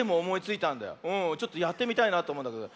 ちょっとやってみたいなとおもうんだけど。